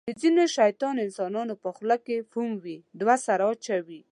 د ځینو شیطان انسانانو په خوله کې فوم وي. دوه سره اچوي.